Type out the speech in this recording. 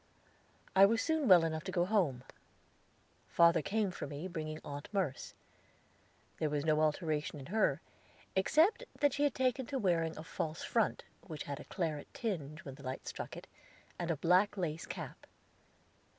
I was soon well enough to go home. Father came for me, bringing Aunt Merce. There was no alteration in her, except that she had taken to wearing a false front, which had a claret tinge when the light struck it, and a black lace cap.